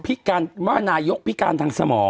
พิการว่านายกพิการทางสมอง